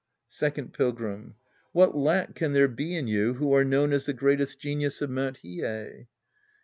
Second Pilgrim. What lack can there be in you who are known as the greatest genius of Mt. Hiei